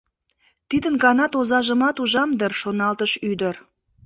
Тидын ганат озажымат ужам дыр, шоналтыш ӱдыр.